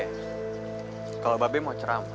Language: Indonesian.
hai kalau babi mau ceramah